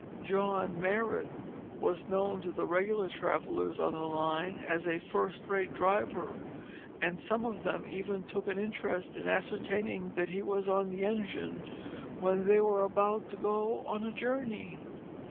John Marrot was known to the regular travellers on the line as a first rate driver, and some of them even took an interest in ascertaining that he was on the engine when they were about to go on a journey.